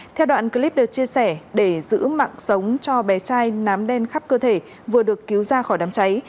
theo đoạn clip được chia sẻ để giữ mạng sống cho bé trai nám đen khắp cơ thể vừa được cứu ra khỏi đám cháy